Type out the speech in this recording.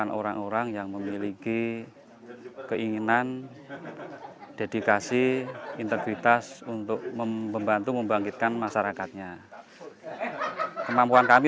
jadi yang nomor satu itu mesti sapi